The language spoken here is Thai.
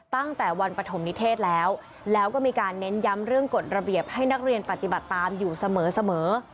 ตั้งแต่วันปฐมนิเทศแล้วแล้วก็มีการเน้นย้ำเรื่องกฎระเบียบให้นักเรียนปฏิบัติตามอยู่เสมอ